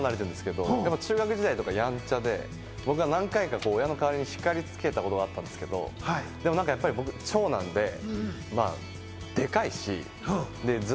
８個離れてるんですけど、中学時代とかやんちゃで、僕が何回か、親の代わりにしかりつけたことがあったんですけど、僕が長男で、でかいし。